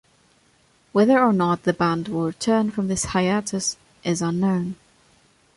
Whether or not the band will return from this hiatus is unknown.